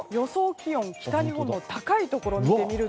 気温北日本の高いところを見ます。